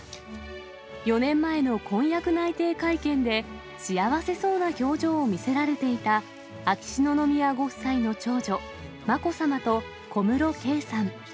４年前の婚約内定会見で、幸せそうな表情を見せられていた、秋篠宮ご夫妻の長女、まこさまと小室圭さん。